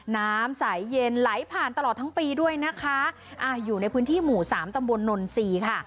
น้ำสายเย็นไหลผ่านตลอดทั้งปีด้วยนะคะอ่าอยู่ในพื้นที่หมู่สามตำบลนนทรีย์ค่ะ